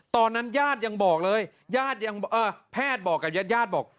ตอนนั้นยาดยังบอกเลยแพทย์บอกกับยาด